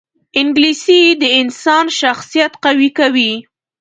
انګلیسي د انسان شخصیت قوي کوي